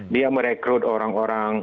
dia merekrut orang orang